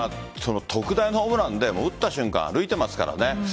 特大のホームランで、打った瞬間歩いていますからね。